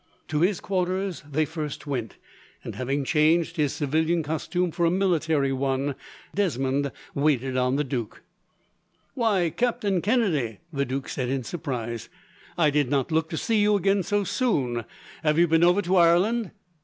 To his quarters they first went, and having changed his civilian costume for a military one, Desmond waited on the duke. "Why, Captain Kennedy," the duke said, in surprise; "I did not look to see you again, so soon. Have you been over to Ireland?"